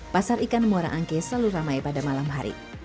pasar ikan muara angke selalu ramai pada malam hari